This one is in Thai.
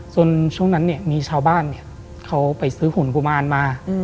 ช่วงนั้นเนี่ยมีชาวบ้านเขาไปซื้อหุ่นกุมารมา